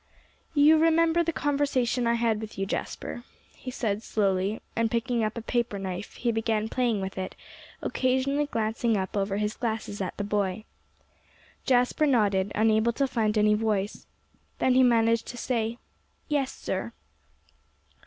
"You remember the conversation I had with you, Jasper," he said slowly; and picking up a paper knife he began playing with it, occasionally glancing up over his glasses at the boy. Jasper nodded, unable to find any voice. Then he managed to say, "Yes, sir."